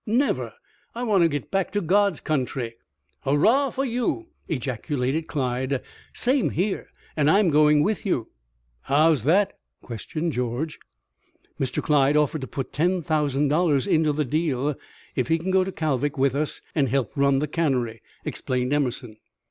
Never! I want to get back to God's country." "Hurrah for you!" ejaculated Clyde. "Same here. And I'm going with you." "How's that?" questioned George. "Mr. Clyde offers to put ten thousand dollars into the deal if he can go to Kalvik with us and help run the cannery," explained Emerson.